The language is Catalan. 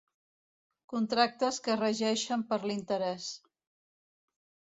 Contractes que es regeixen per l'interès.